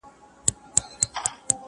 چي دي و وینم د تورو سترګو جنګ کي,